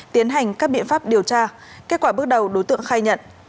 tiến hành các biện pháp điều tra kết quả bước đầu đối tượng khai nhận